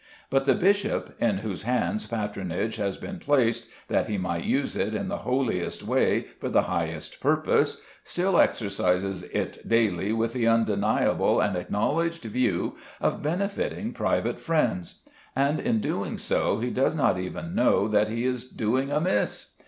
But the bishop, in whose hands patronage has been placed, that he might use it in the holiest way for the highest purpose, still exercises it daily with the undeniable and acknowledged view of benefiting private friends! And in doing so he does not even know that he is doing amiss.